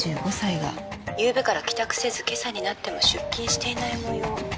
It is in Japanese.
４５歳がゆうべから帰宅せず今朝になっても出勤していない模様。